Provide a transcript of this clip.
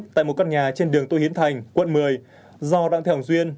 tại một căn nhà trên đường tô hiến thành quận một mươi do đặng thế hồng duyên